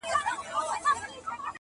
o څه عاشقانه څه مستانه څه رندانه غزل,